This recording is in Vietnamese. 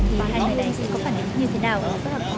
thì hai người này sẽ có phản ứng như thế nào